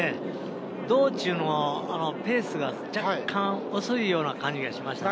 道中のペースが若干、遅いような感じがしましたね。